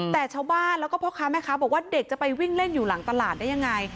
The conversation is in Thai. แต่ชาวบ้านแล้วก็พ่อค้าแม่ค้าบอกว่าเด็กจะไปวิ่งเล่นอยู่หลังตลาดได้ยังไง